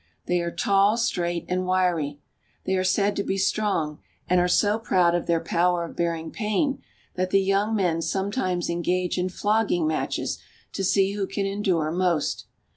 They are tall, straight, and wiry. They are said to be strong and are so proud of their power of bearing pain that the young men sometimes engage in flogging matches to see who can endure most.